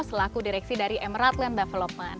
selaku direksi dari emerald land development